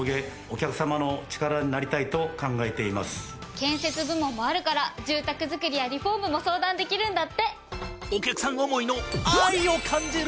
建設部門もあるから住宅づくりやリフォームも相談できるんだって。